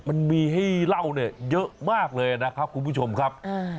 มันมีให้เล่าเนี่ยเยอะมากเลยนะครับคุณผู้ชมครับ